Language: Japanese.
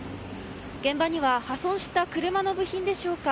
現場には破損した車の部品でしょうか。